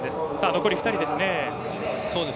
残り２人ですね。